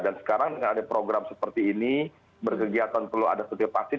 dan sekarang dengan ada program seperti ini berkegiatan perlu ada setiap vaksin